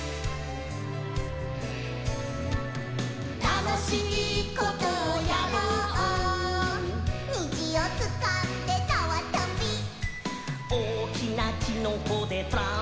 「たのしいことをやろう」「にじをつかんでなわとび」「おおきなキノコでトランポリン」